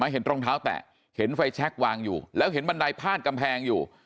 เห็นรองเท้าแตะเห็นไฟแชควางอยู่แล้วเห็นบันไดพาดกำแพงอยู่